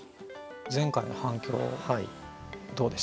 前回の反響どうでしたか？